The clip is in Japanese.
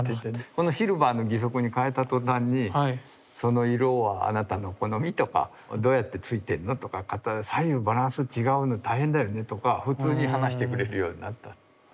このシルバーの義足に変えた途端にその色はあなたの好み？とかどうやって着いてんの？とか左右バランス違うのに大変だよねとか普通に話してくれるようになった。